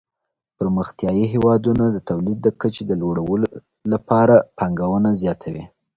پرمختيايي هېوادونه د توليد د کچې د لوړولو لپاره پانګه زياتوي.